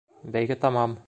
—Бәйге тамам!